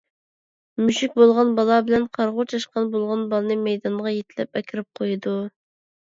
مۈشۈك بولغان بالا بىلەن قارىغۇ چاشقان بولغان بالىنى مەيدانغا يېتىلەپ ئەكىرىپ قويىدۇ.